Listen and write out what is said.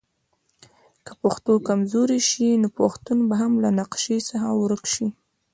که پښتو کمزورې شي نو پښتون به هم له نقشه څخه ورک شي.